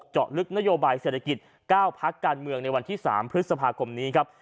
เจาะลึกนโยบายเศรษฐกิจ๙พักการเมืองในวันที่๓พฤษภาคมนี้ครับ